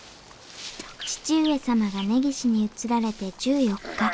義父上様が根岸に移られて１４日。